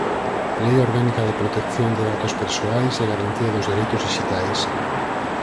Lei orgánica de protección de datos persoais e garantía dos dereitos dixitais.